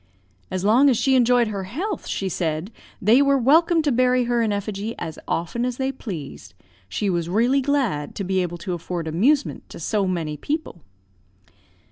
"'As long as she enjoyed her health,' she said, 'they were welcome to bury her in effigy as often as they pleased; she was really glad to be able to afford amusement to so many people.'